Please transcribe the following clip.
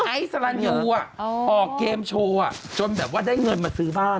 สลันยูอ่ะออกเกมโชว์จนแบบว่าได้เงินมาซื้อบ้าน